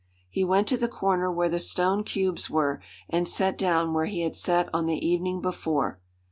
He went to the corner where the stone cubes were, and sat down where he had sat on the evening before.